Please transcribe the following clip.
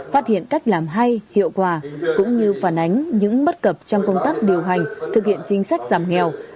phát hiện cách làm hay hiệu quả cũng như phản ánh những bất cập trong công tác điều hành thực hiện chính sách giảm nghèo